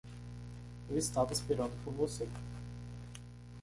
Eu estava esperando por você.